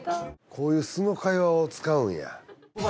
こういう素の会話を使うんや。